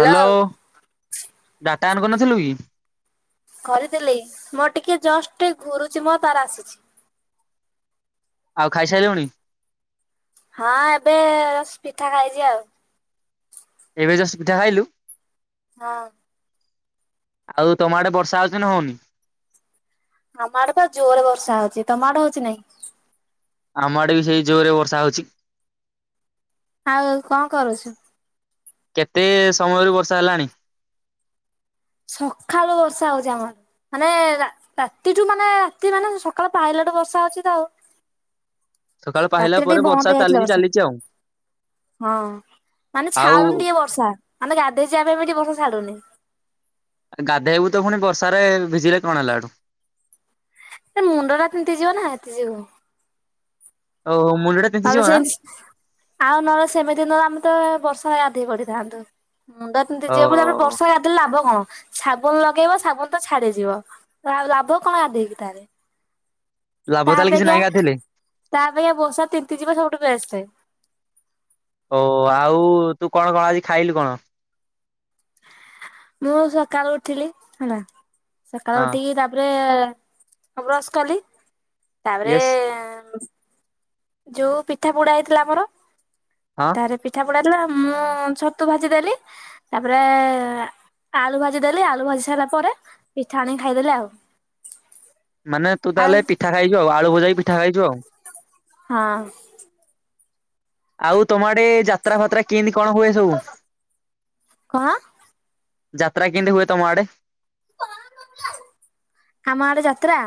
Hello. Data on କରିନଥିଲୁ କି? କରିଥିଲି ମୋର ଟିକେ ଜଷ୍ଟ ଘୁରୁଚି ମୁ ତାର ଆସୁଚି। ଆଉ ଖାଇସାରିଲୁଣି? ହଁ ଏବେ ପିଠା ଖାଇଚି ଆଉ। ଏବେ ଜଷ୍ଟ ପିଠା ଖାଇଲୁ। ହଁ। ଆଉ ତମ ଆଡେ ବର୍ଷା ହଉଛି ନା ହଉନି? ଆମ ଆଡେ ତ ଜୋରରେ ବର୍ଷା ହୋଉଛି ତମ ଆଡେ ହଉଛି ନାଇଁ? ଆମ ଆଡେ ବି ସେଇ ଜୋରରେ ବର୍ଷା ହଉଛି। ଆଉ କଣ କରୁଛୁ? କେତେ ସମୟରୁ ବର୍ଷା ହେଲାଣି? ସକାଳୁ ବର୍ଷା ହଉଛି ଆମର। ମାନେ ରା ରାତିଠୁ ମାନେ ରାତି ମାନେ ସକାଳ ପାହୀଲାଠୁ ବର୍ଷା ହଉଛି ତ ଆଉ। ସକାଳୁ ପାହୀଲା ରାତିରେ ଟିକେ ପରେ ବନ୍ଦ ବର୍ଷା ହେଇଯାଇଥିଲା ଚାଲିଛି ବର୍ଷା ଚାଲିଛି ଆଉ। ହଁ ମାନେ ଆଉ ଛାଡୁନି ଟିକେ ବର୍ଷା ମାନେ ଗାଧେଇ ଯିବା ପାଇଁ ବି ଟିକେ ବର୍ଷା ଛାଡୁନି। ଗାଧେଇବୁ ତ ପୁଣି ବର୍ଷାରେ ଭିଜିଲେ କଣ ହେଲା ହେ। ସେ ମୁଣ୍ଡ ଟା ତିନ୍ତିଯିବ ନା ହେଥି ଯୋଗୁ। ଓହୋ ମୁଣ୍ଡ ଟା ନେହେଲେ ତିନ୍ତିଯିବ ନା ସେନ୍ତି ଆଉ ନହେଲେ ସେମିତିି ନହେଲେ ଆମେ ତ ବର୍ଷା ଗାଧେଇ ପଡିଥାନ୍ତୁ। ମୁଣ୍ଡ ଓ ତିନ୍ତିଯିବ ଫୁଣି ଆମେ ବର୍ଷାରେ ଗାଧେଇଲେ ଲାଭ କଣ? ସାବୁନ ଲଗେଇବ ସାବୁନ ତ ଛାଡିଯିବ। ଆଉ ଲାଭ କଣ ଗାଧେଇକି ତାହେଲେ? ତା ଲାଭ ତାହେଲେ କିଛି ଅପେକ୍ଷା ନାହିଁ ଗାଧେଇଲେ ତା ଅପେକ୍ଷା ବର୍ଷାରେ ତିନ୍ତି ଯିବ ସବୁଠୁ ବେଷ୍ଟ। ଓ ଆଉ ତୁ କଣ କଣ ଆଜି ଖାଇଲୁ କଣ? ମୁଁ ସକାଳୁ ଉଠିଲି ହେଲା ସକାଳୁ ହଁ ଉଠିକି ତାପରେ ବ୍ରସ କଲି ତାପରେ ୟେସ୍ ଯୋଉ ପିଠା ପୋଡା ହେଇଥିଲା ଆମର ହଁ ତାରେ ପିଠା ପୋଡା ହେଇଥିଲା ମୁଁ ଛତୁ ଭାଜି ଦେଲି ତାପରେ ଆଳୁ ଭାଜି ଦେଲି ଆଳୁ ଭାଜି ସାରିଲା ପରେ ପିଠା ଆଣିକି ଖାଇଦେଲି ଆଉ। ମାନେ ତୁ ଆଉ ତାହେଲେ ପିଠା ଖାଇଛୁ ଆଉ ଆଳୁ ଭଜାକି ପିଠା ଖାଇଛୁ ଆଉ। ହଁ। ଆଉ ତମ ଆଡେ ଯାତ୍ରା ଫାତ୍ରା କେମିତି କଣ ହୁଏ ସବୁ? କଣ ଯାତ୍ରା କେମିତି ହୁଏ ତମ ଆଡେ? ଆମ ଆଡେ ଯାତ୍ରା,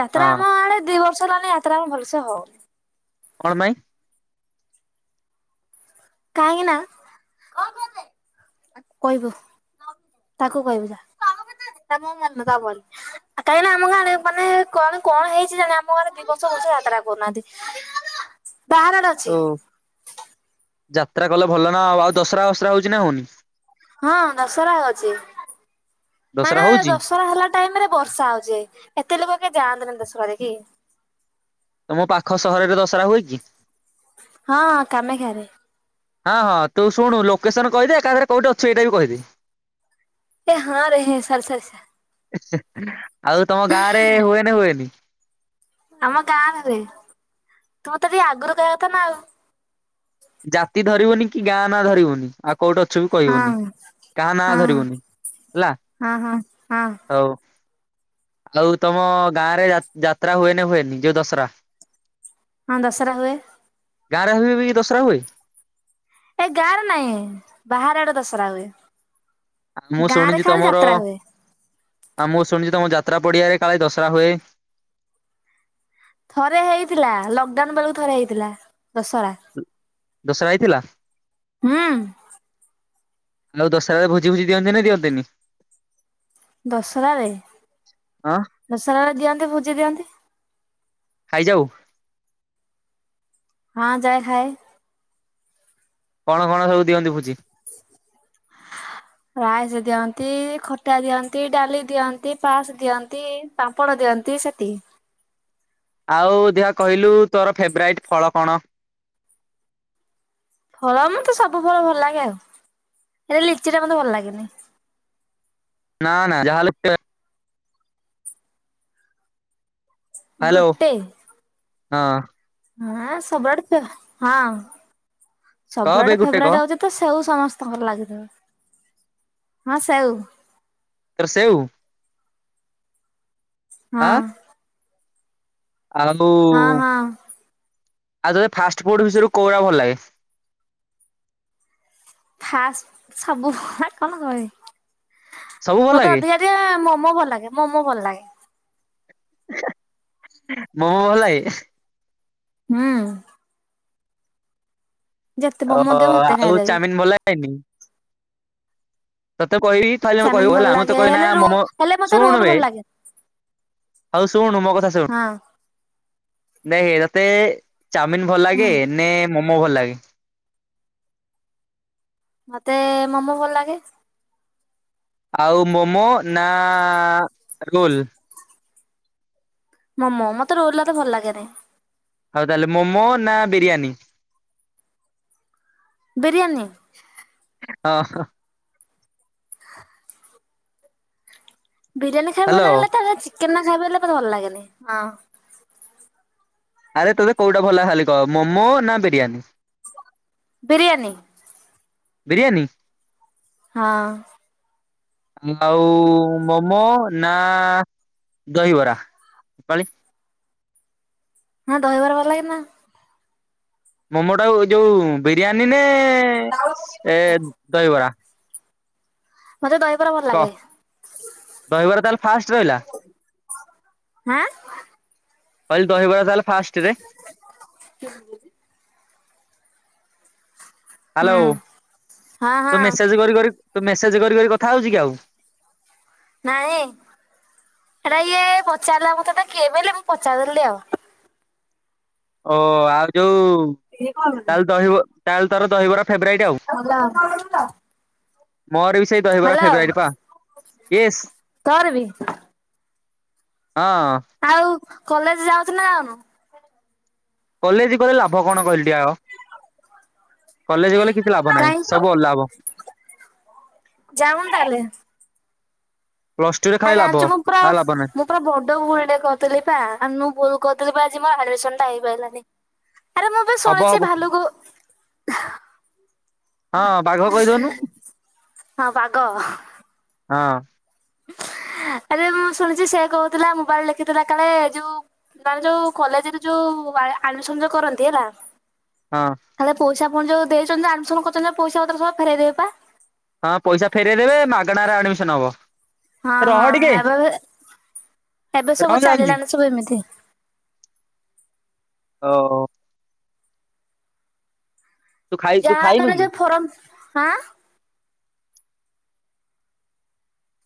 ଯାତ୍ରା ହଁ ଆମ ଆଡେ ଦି ବ ର୍ଷ ମାନେ ଯାତ୍ରା ଆଉ ଭଲସେ ହଉନି। କଣ ପାଇଁ? କାହିଁକି ନା କହିବୁ ତାକୁ କହିବୁ ଯା କାହିଁକି ନା ଆମ ଗାଁରେ ମାନେ କଣ କଣ ହେଇଛି ଜାଣିନି। ଆମ ଗାଁରେ ଦିଇ ବର୍ଷ ବର୍ଷ ଯାତ୍ରା କରୁନାହାନ୍ତି। [inaudible] ବାହାର ଆଡେ ଆସ୍ ଓ ଯାତ୍ରା କଲେ ଭଲ ନା ଆ ଆଉ ଦଶହରା ଫସରା ହଉଛି ନା ହଉନି? ହଁ ଦଶହରା ହୋଉଛି ଦଶରା ମାନେ ହଉଛି ଦଶହରା ହେଲା ଟାଇମ ରେ ବର୍ଷା ହୋଉଛି। ଏତେ ଲୋକ କେହୀ ଯାଆନ୍ତିନି ଦସହରା ଦେଖି। ତମ ପାଖ ସହରରେ ଦଶହରା ହୁଏ କି? ହଁ କାମାଖ୍ୟରେ ହଁ ହଁ ତୁ ଶୁଣୁ ଲୋକେସନ କହିଦେ ଏକାଥରେ କୋଉଠି ଅଛୁ ଏଇଟା ବି କହିଦେ? ଏ ହଁରେ ହେଁ ସରି ସରି ସ ଆଉ ତମ ଗାଁରେ ହୁଏନା ହୁଏନି? ଆମ ଗାଁ ରେ ତୁ ମତେ ମୋତେ ଟିକେ ଆଗରୁ କହିବା କଥା ନା ଆଉ ଜାତି ଧରିବୁନି କି ଗାଁ ନାଁ ଧରିବୁନି। ଆଉ କୋଉଠି ଅଛୁ ବି କହିବୁନି। ହଁ। କାହା ହଁ ନାଁ ଧରିବୁନି ହେଲା। ହଁ ହଁ ହଁ ହୋଉ। ଆଉ ତମ ଗାଁ ରେ ଯାତ୍ରା ହୁଏନା ହୁଏନି ଯୋଉ ଦଶହରା? ହଁ ଦଶହରା ହୁଏ। ଗାଁରେ ହେଲେ ବି ଦସହରା ହୁଏ? ଏ ଗାଁରେ ନାଇଁ ବାହାରେ ଆଡେ ଦଶରା ହୁଏ। ମୁଁ ଗାଁ ରେ ଶୁଣିଛି ଖାଲି ତମର ଯାତ୍ରା ହୁଏ। ଆଉ ମୁଁ ଶୁଣିଛି ତମ ଯାତ୍ରା ପଡିଆରେ କାଳେ ଦଶରା ହୁଏ। ଥରେ ହେଇଥିଲା ଲକଡାଉନ ବେଳକୁ ଥରେ ହେଇଥିଲା ଦଶରା। ଦଶରା ହେଇଥିଲା। ହୁଁ ଆଉ ଦଶରା ରେ ଭୋଜି ଫୋଜି ଦିଅନ୍ତି ନା ଦିଅନ୍ତିନି। ଦଶରା ରେ ହଁ ଦଶରା ରେ ଦିଅନ୍ତି ଭୋଜି ଦିଅନ୍ତି। ଖାଇଯାଉ। ହଁ ଯାଏ ଖାଏ। କଣ କଣ ସବୁ ଦିଅନ୍ତି ଭୁଜି। ରାଇସ ଦିଅନ୍ତି ଖଟା ଦିଅନ୍ତି ଡାଲି ଦିଅନ୍ତି ପାସ୍ ଦିଅନ୍ତି। ପାମ୍ପଡ ଦିଅନ୍ତି ସେତିକି। ଆଉ ଦେଖିବା କହିଲୁ ତୋର ଫେବରାଇଟ୍ ଫଳ କଣ? ଫଳ ମତେ ସବୁ ଫଳ ଭଲ ଲାଗେ ଆଉ ହେଲେ ଲିଚି ଟା ମତେ ଭଲ ଲାଗେନି। ନା ନା ଯା ହେଲେ ପେ ହାଲୋ ଗୋଟେ ହଁ। ହଁ ସବୁଆଡେ ଫେ ହଁ କହ ବେ ସବୁଆଡେ ଗୋଟେ କହ ଫେବରଟ ହଉଛି। ତ ସେଉ ସମସ୍ତଙ୍କର ଲାଗିଥିବ ହଁ ସେଉ। ତୋର ସେଓ। ଆଁ ହଁ। ଆଉ ହଁ ହଁ ଆଉ ତେ ଫାଷ୍ଟ ଫୁଡ ବିଷୟରେ କୋଉଗୁରା ଭଲ ଲାଗେ? ଫାସ ସବୁ କଣ କହିବି ସବୁ ଭଲ ମତେ ଲାଗେ ଅଧିକା। ମତେ ମୋମୋ ଭଲ ଲାଗେ ମୋମୋ ଭଲ ଲାଗେ। ମୋମୋ ଭଲ ଲାଗେ। ହୁଁ। ଯେତେ ମୋମୋ ରୋଲ ଦିଅ ସେତେ ଆଉ ଖାଇଦେବି ଚାଉମିନ ଭଲ ଲାଗେନି। ତତେ କହିବି ଖାଇଲେ ମତେ ଚାଉମିନ କହିବୁ ଭଲ ଲାଗେ ହେଲା ହେଲେ ରୋ ହେଲେ ମତେ ରୋଲ ଶୁଣ ବେ। ଭଲ ଲାଗେ ହଉ ଶୁଣୁ ମୋ କଥା ଶୁଣୁ। ହଁ ଦେଖେ ତତେ ଚାଉମିନ ଭଲ ହୁଁ ଲାଗେ ନେ ମୋମୋ ଭଲ ଲାଗେ। ମତେ ମୋମୋ ଭଲ ଲାଗେ। ଆଉ ମୋମୋ ନା ରୋଲ। ମୋମୋ ମତେ ରୋଲ ରା ଏତେ ଭଲ ଲାଗେନି। ଆଉ ତାହେଲେ ମୋମୋ ନା ବିରିୟାନୀ ‌। ବିରିୟାନୀ। ହଁ ହଁ। ବିରିୟାନୀ ଖାଇବାକୁ ଭଲ ହ୍ୟାଲୋ ଲାଗିଲେ ତା ଚିକେନ ରା ଖାଇବା ମତେ ଭଲ ଲାଗେନି ହଁ। ଆରେ ତୋତେ କୋଉଟା ଭଲ ଖାଲି କହ ମୋମୋ ନା ବିରିୟାନୀ। ବିରିୟାନୀ। ବିରିୟାନୀ। ହଁ। ଆଉ ମୋମୋ ନା ଦହିବରା କଅନି। ହଁ ଦହିବାର ଭଲ ଲାଗେ ନା ‌। ମୋମୋ ଟା କୁ ଯୋଉ ବିରିୟାନୀ ନେ ଏ ଦହିବରା। ମତେ ଦହିବରା ଭଲ ଲାଗେ। କହ ଦହିବରା ତାହେଲେ ଫାଷ୍ଟ ରହିଲା ହାଁ। କହିଲୁ ଦହିବରା ତାହେଲେ ଫାଷ୍ଟ ରେ। ହୁଁ ହ୍ୟାଲୋ ହଁ ତୁ ହଁ ମେସେଜ୍ କରି କରି ତୁ ମେସେଜ୍ କରି କରି କଥା ହଉଛି କି ଆଉ। ନାହିଁ ହେଟା ଇଏ ପଚାରିଲା ମତେ ତ କିଏ କହିଲେ ମୁଁ ପଚାରିଦେଲି ଟିକେ ଆଉ। ଓ ଆଉ ଯୋଉ ତାହେଲେ ଦହିବ ତାହେଲେ ତୋର ଦହିବରା ଫେବରାଇଟ ଆଉ। ହେଲା ଆଉ। ମୋର ବି ସେଇ ଦହିବରା ଫେବ୍ରାଇଟ ପା ଏଇ ତୋର ବି ହଁ ଆଉ କଲେଜ ଯାଉଚୁ ନା ଯାଉନୁ କଲେଜ ଗଲେ ଲାଭ କଣ କହିଲୁ ଟିଏ ଆଉ କଲେଜ ଗଲେ କିଛି ଲାଭ ନାହିଁ ସବୁ ଅଲାଭ ଯାଉନ ତାହେଲେ ପ୍ଲସ ଟୁରେ ଆଉ ଖାଲି ଲାଭ ଜାଣିଛୁ ମୁଁ ପୁରା ଆଉ ଲାଭ ନାହିଁ ପୁର ବଡ ଭୁଲ ଟେ କରିଦେଲି ଆନୁଗୁଲ କଥିଲି ବା ଆଜି ମୋର ଆଡମିସନ ଟା ହେଇପାରିଲାନି ଆରେ ମୁଁ ବି ହବ ଶୁଣିଛି ହବ ଭାଲୁକୁ ହଁ ବାଘ କହିଦଉନୁ ହଁ ବାଘ। ହଁ। ଆରେ ମୁଁ ଶୁଣିଛି ସେ କହୁଥିଲା ମୋବାଇଲ ଲେଖିଥିଲା କାଳେ ଯୋଉ ମାନେ ଯୋଉ କଲେଜରେ ଯୋଉ ଆଡମିସନ ଯୋଉ କରନ୍ତି ହେଲା। ହଁ। ତାେଲେ ପଇସାପଣ ଯୋଉ ଦେଇଛନ୍ତି ଆଡମିସନ କରିୁଛନ୍ତି ପଇସା ପତ୍ର ସବ ଫୋଇ ଦେଇବା। ହଁ ପଇସା ଫେରଇ ଦେେବେ ମାଗଣା ରେ ଆଡମିସନ ହବ। ହଁ ରହ ଟିକେ ହଁ ଏବେ ଏବେ ସବୁ ଚାଲିଲାନି ସବୁ ଏମିତି ଓ। ତୁ ଖାଇ ତୁ ଯାହା ଖାଇନୁ ମାନେ କି ଯୋଉ ଫରମ--ହଁ।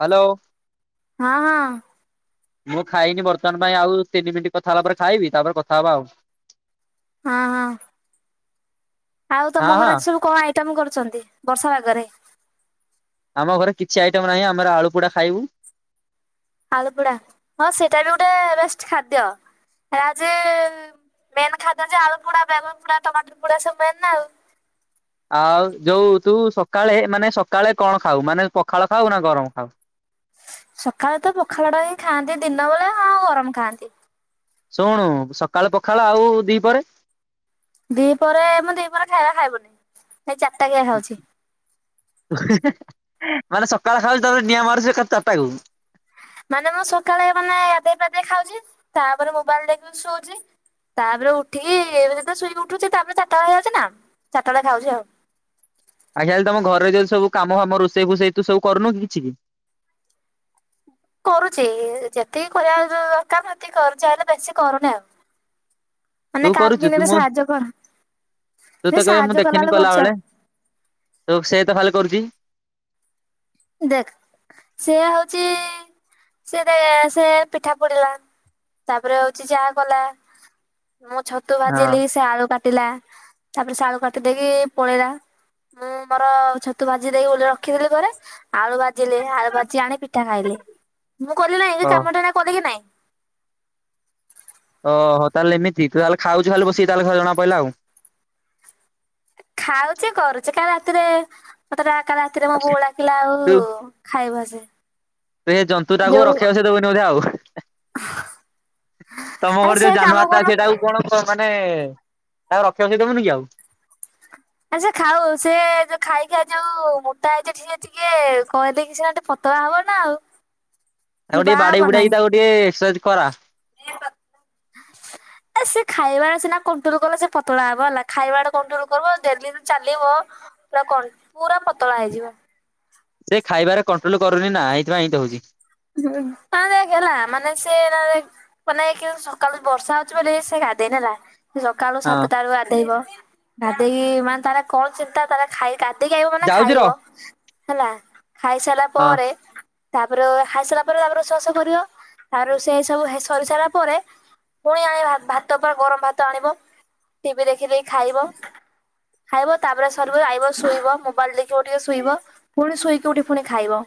ହ୍ୟାଲୋ। ହଁ ହଁ। ମୁଁ ଖାଇନି ବର୍ତ୍ତମାନ ପାଇଁ ଆଉ ତିନି ମିନିଟ୍ କଥା ହେଲା ପରେ ଖାଇବି ତାପରେ କଥା ହବା ଆଉ। ହଁ ହଁ। ଆଉ ତମ ହଁ ଘର ହଁ ଆଜି ସବୁ କଣ ଆଇଟମ କରୁଛନ୍ତି ବର୍ଷା ଆାଗରେ। ଆମ ଘରେ କିଛି ଆଇଟମ ନାହିଁ ଆମର ଆଳୁ ପୋଡା ଖାଇବୁ। ଆଳୁପୋଡା ହଁ ସେଇଟା ବି ଗୋଟେ ବେଷ୍ଟ ଖାଦ୍ୟ ହେ ଯେ ମେନ୍ ଖାଦ୍ୟ ଯେ ଆଳୁ ପୋଡାେଗାମ ପଡା ଟମାଟର ପୋଡା ସବୁ ମନ ନା ଆଉ। ଆଉ ଯୋଉ ତୁ ସକାଳେ ମାନେ ସକାଳେ କଣ ଖାଉ ମାନେ ପଖାଳ ଖାଉ ନା ଗରମ ଖାଉ। ସକାଳେ ତ ପଖାଳଟା ହଁ ଖାଆନ୍ତି ଦିନ ବେଳେ ଆଉ ଗରମ ଖାଆନ୍ତି। ଶୁଣୁ ସକାଳ ପଖାଳ ଆଉ ଦି ପରେ। ଦି ପରେ ମୁଁ ଦି ପରେ ଖାଇବା ଖାଇବୁନି ଏଇ ଚାରିଟା କିିଆ ଖାଉଛି। ମାନେ ସକାଳ ଖାଉଛି ତାପରେ ନିଆଁ ମାରୁଛି ଚାରିଟା କକୁ। ମାନେ ମୁଁ ସକାଳେ ମାନେ ଆଦେଇ ପାଦେଇ ଖାଉଛି ତାପରେ ମୋବାଇଲ ଦେଖିକି ଶୋଉଛି। ତାପରେ ଉଠିକି ଏବେ ଯେବେ ଶୋଇକି ଉଠୁଛି ତାପରେ ଚାଟାଳ ହେଇଯାଉଛି ନା ଚାଟାଟା ଖାଉଛି ଆଉ। ଆଜ୍ଞା ତମ ଘରେ ଯଦି ସବୁ କାମ ଆମ ରୋଷେଇ ଫୋଷେଇ ତ ସବୁନୁ କିଛି କି। କରୁଛି ଯେତିକି କରିବା ଦରକାର ସେତିକି କରୁଛି ହେଲେ ବେଶୀ କରୁନି ଆଉ। ହ ମାନେ ତୁ କାହାକୁ କରୁଛୁ କେମିତି ତୁ ଗୋଟେ ମୁଁ ସାହାଯ୍ୟ କର ତୁ ଏ ତ କେବେ ସାହାଯ୍ୟ ମୁଁ କଲା ବେଳେ ଦେଖିନି କରୁଛି ଆଉ କଲାବେଳେ। ତ ସେ ତ ଖାଲି କରୁଛି। ଦେଖ ସେ ହଉଛି ସେି ସେ ପିଠା ପୋଡିଲା ତାପରେ ହଉଛି ଯା କଲା ମୁଁ ଛତୁ ହଁ ଭାଜିଲି ସେ ଆଳୁ କାଟିଲା ତାପରେ ସେ ଆଳୁ କାଟି ଦେଇେଇକି ପଳେଇଲା। ମୁଁ ମୋର ଛତୁ ଭାଜି ଦେଇି ଗ ରଖିଥିଲି ଘରେ। ଆଳୁ ଭ ବାଜିଲେ ଆଳୁ ଭଜି ଆଣି ପିଠା ଖାଇଲେ ମୁଁ କଲି ନାାଇଁ ଓ ଏ କାମଟା ନା କଲି କି ନାଇଁ? ଓହୋ ତାହେଲେ ଏମତି ତ ତାହେ ଖାଉଛ ଖାଲି ବସିକ ତାହେଲେ ଜଣା ପିଲଲା ଆଉ। ଖାଉଛି କରୁଛି କା ରାତିରେ ମତେ କା ରାତିରେ ମୋ ବୁଉଳା ଦେଖିଲା ଆଉ ତୁ ଖାଇବାସ। ତୁ ସେ ଜନ୍ତୁାକୁ ରଖିବାକୁ ସେ ଦେବନିୋଧେ ଆଉ। ତମ ଆରେ ଘରେ ସେ ଯୋଉ କାମ ଜାନୁଆର ଟା ଅଛି କରୁନୁ ସେଇଟାକୁ କଣ ମାନେ ତାକୁ ରଖିବା ଦେମୁନି କି ଆଉ। ଆରେ ସେ ଖାଉ ସେ ଯୋଉ ଖାଇ ଖାଇ ଯୋଉ ମୋଟା ହେଇଛି ଟିକେ ଟିକେ କହିଦେଇକି ସିନା ପ ତ ଆମର ନା ଆଉ। ପୁଣି ଆଉ ଟିକେ ବାହା ବାଡେଇ ହବ ନାହିଁ। ବୁଡାଇକି ତାକୁ ଟିକେ ଏକ୍ସରସାଇଜ କରା। ସେ ଖାଇବାରେ ସିନା କଣ୍ଟ୍ରୋଲ କଲେ ସେ ପତଳା ହବ ହେଲା, ଖାଇବାଟା କଣ୍ଟ୍ରୋଲ କରିବ ଡେଲି ଚାଲିବ ପୁରା କଣ, ପୁରା ପତଳା ହେଇଯିବ। ସେ ଖାଇବାରେ କଣ୍ଟ୍ରୋଲ କରୁନି ନା, ହେଇଥିପାଇଁ ଏନ୍ତି ହଉଚି। ହଁ ଦେଖ ହେଲା ମାନେ ସେ [unintelligible] ମାନେ କେ [unintelligible] ସକାଳୁ ବର୍ଷା ହଉଛି ବୋଲି ସେ ଗାଧେଇନି ହେଲା। ସକାଳୁ ହଁ ସାତଟାରୁ ଗାଧେଇବ, ଗାଧେଇକି ମାନେ ତାର କଣ ଚିନ୍ତା ତାର ଖାଇ ଗାଧେଇ ଗାଧେଇଲି ଆଗ ମାନେ ଯାଉଚି ଖାଇବ ରହ ହେଲା, ଖାଇ ସାଇଲା ହଁ। ପରେ ତାପରେ ଖାଇସାରିଲା ପରେ ତାପରେ ସୁଆ ସୋଇ କରିବ, ତାର ସେ ସବୁ ସରି ସାରିଲା ପରେ ପୁଣି ଆଣିବ ଭାତ ପୁରା ଗରମ ଭାତ ଆଣିବ, ଟିଭି ଦେଖି ଦେଖି ଖାଇବ। ଖାଇବ, ତାପରେ ସରିବ ଆଇବ ଶୋଇବ ମୋବାଇଲ ଦେଖିବ ଟିକେ ଶୋଇବ। ପୁଣି ଶୋଇକି ଉଠି ପୁଣି ଖାଇବ।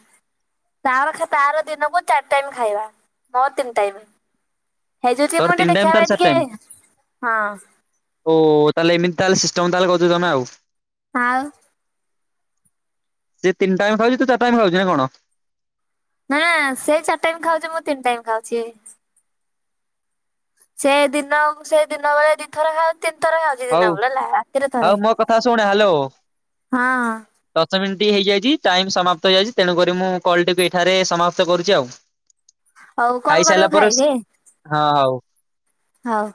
ତାର ଖା ତାର ଦିନକୁ ଚାରି ଟାଇମ୍ ଖାଇବା, ମୋ ତିନି ଟାଇମ୍। ହେଇଯାଉଛି ତୋର ମୁଁ ତିନି ଟିକେ ଟାଇମ୍ ଦେଖିବା ତାର ହବେ ଚାରି ଟାଇମ୍। ଟିକେ ହଁ। ଓ ତାହେଲେ ଏମିତି ତାହେଲେ ସିଷ୍ଟମ ତାହେଲେ କରିଛି ତମେ ଆଉ। ଆଉ। ସେ ତିନି ଟାଇମ୍ ଖାଉଛି, ତୁ ଚାରି ଟାଇମ୍ ଖାଉଛୁ ନା କଣ? ନାଁ ସେ ଚାରି ଟାଇମ୍ ଖାଉଛି, ମୁଁ ତିନି ଟାଇମ୍ ଖାଉଛି। ସେ ଦିନକୁ ସେ ଦିନ ବେଳେ ଦି ଥର ଖାଏ। ତିନି ଥର ଖାଉଚି ହଉ ଦିନ ବେଳେ ହେଲା, ରାତିରେ ହଉ ଥରେ। ମୋ କଥା ଶୁଣେ ହ୍ୟାଲୋ। ଦଶ ମିନିଟ୍ ହେଇଯାଇଛି, ଟାଇମ୍ ସମାପ୍ତ ହେଇଯାଇଛି। ତେଣୁକରି ମୁଁ କଲ୍ ଟିକୁ ଏଠାରେ ସମାପ୍ତ କରୁଛି ଆଉ। ହଉ କଲ ଖାଇସାଇଲା କରିବୁ ପରେ ଖାଇକି ହଁ ହଉ। ହଉ।